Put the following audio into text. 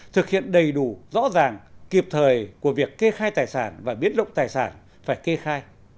thực hiện đầy đủ rõ ràng kịp thời của việc kê khai tài sản và biến động tài sản phải kê khai